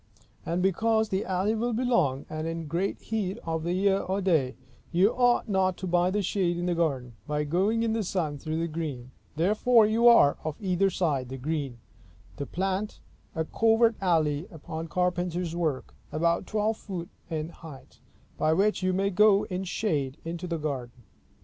But because the alley will be long, and, in great heat of the year or day, you ought not to buy the shade in the garden, by going in the sun through the green, therefore you are, of either side the green, to plant a covert alley upon carpenter's work, about twelve foot in height, by which you may go in shade into the garden.